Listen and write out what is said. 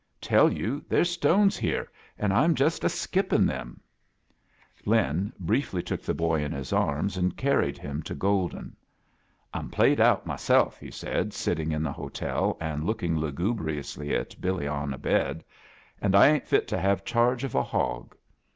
"Tell you, there's stones here, an' I'm Jost a skipping tfiem." A JOURNEY IN SEARCH OF CHRISTHAS Lin, briefly, took the txiy in his arms and carried him to Golden. "I'm played out myself," he said, sitting in the hotel and lookios lusubriousfy at Billy on a bed. "And I ain't fit to have chai^ of a hog."